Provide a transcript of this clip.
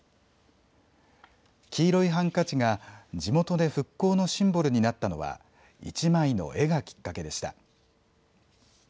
黄色いハンカチが地元で復興のシンボルになったのは１枚の絵がきっかけでした。